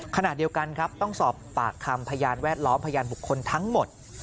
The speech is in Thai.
ขณะเดียวกันครับต้องสอบปากคำพยานแวดล้อมพยานบุคคลทั้งหมด